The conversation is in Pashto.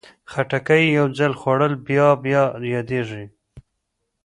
خټکی یو ځل خوړل بیا بیا یادېږي.